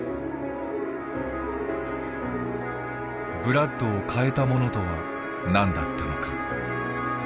ブラッドを変えたものとは何だったのか。